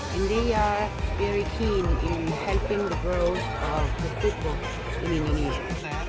dan mereka sangat berharga dalam membantu perkembangan sepak bola di indonesia